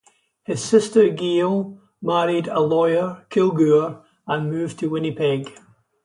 His sister, Geills married a lawyer, Kilgour, and moved to Winnipeg.